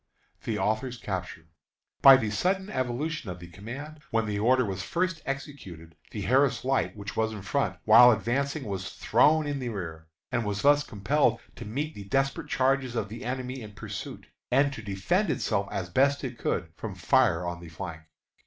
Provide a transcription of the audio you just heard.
THE AUTHOR'S CAPTURE. By the sudden evolution of the command, when the order was first executed, the Harris Light, which was in front, while advancing, was thrown in the rear, and was thus compelled to meet the desperate charges of the enemy in pursuit, and to defend itself as best it could from fire on the flank.